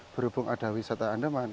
berhubung ada wisata andaman